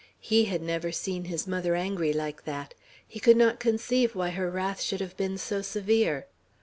He had never seen his mother angry like that. He could not conceive why her wrath should have been so severe.